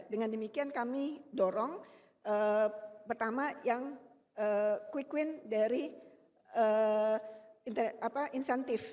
dengan demikian kami dorong pertama yang quick win dari insentif